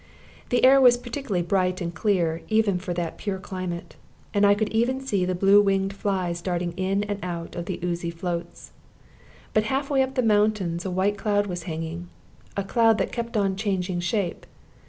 The air was particularly bright and clear, even for that pure climate, and I could even see the blue winged flies darting in and out of the oozy floats. But half way up the mountains a white cloud was hanging, a cloud that kept on changing shape.